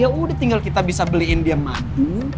ya udah tinggal kita bisa beliin dia madu